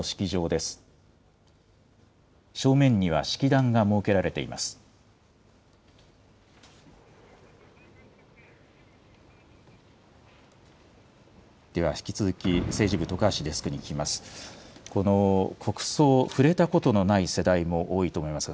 では引き続き、政治部、徳橋デスクに聞きます。